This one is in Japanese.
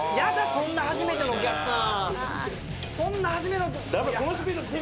そんな初めてのお客さん。